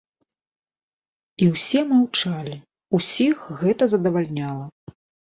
І ўсе маўчалі, усіх гэта задавальняла.